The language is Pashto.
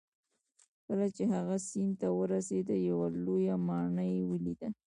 کله چې هغه سیند ته ورسید یوه لویه ماڼۍ یې ولیده.